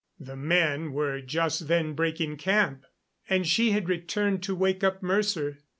The men were just then breaking camp, and she had returned to wake up Mercer.